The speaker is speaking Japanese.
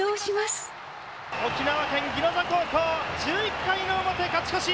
沖縄県宜野座高校１１回の表勝ち越し。